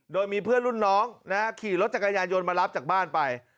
โดยมีเพื่อนรุ่นน้องขี่รถจักรยานยนต์มารับจากบ้านไป